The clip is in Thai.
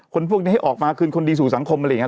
คนพวกนี้ให้ออกมาคืนคนดีสู่สังคมอะไรอย่างนี้